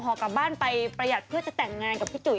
กลับบ้านไปประหยัดเพื่อจะแต่งงานกับพี่จุ๋